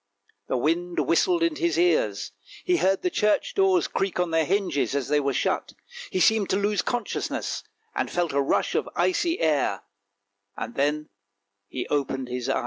The wind whistled in his ears, he heard the church doors creak on their hinges as they were shut, he seemed to lose consciousness, and felt a rush of icy air — and then he opened his eyes.